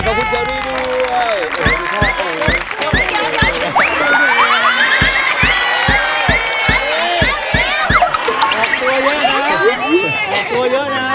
ขอบคุณเชอรี่ด้วย